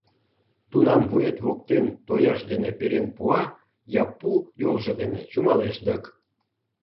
Тунам вует воктен тояж дене перен пуа я пу йолжо дене чумалеш дык...